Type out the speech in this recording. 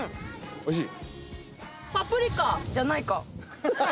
おいしい？